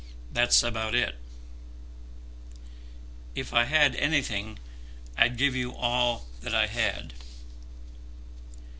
That's about it." "If I had anything, I'd give you all that I had."